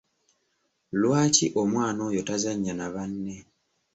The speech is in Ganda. Lwaki omwana oyo tazannya na banne?